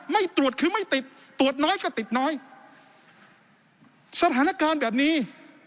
ไม่ตรวจคือไม่ติดตรวจน้อยก็ติดน้อยสถานการณ์แบบนี้